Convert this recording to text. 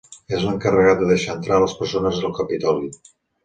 És l'encarregat de deixar entrar a les persones al Capitoli.